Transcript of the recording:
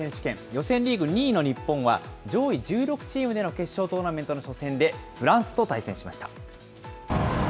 予選リーグ２位の日本は、上位１６チームでの決勝トーナメントの初戦でフランスと対戦しました。